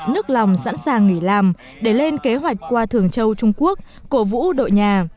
nức lòng sẵn sàng nghỉ làm để lên kế hoạch qua thường châu trung quốc cổ vũ đội nhà